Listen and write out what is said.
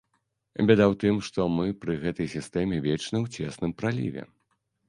Бяда ў тым, што мы пры гэтай сістэме вечна ў цесным праліве.